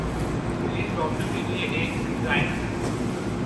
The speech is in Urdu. مریض ڈاکٹر کے لیے ایک "کلائنٹ" ہے۔